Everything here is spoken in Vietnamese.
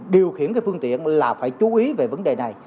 điều khiển cái phương tiện là phải chú ý về vấn đề này